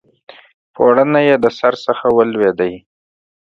پوړنی یې د سر څخه ولوېدی